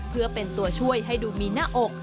เพื่อเป็นตัวช่วยให้ดูมีหน้าอก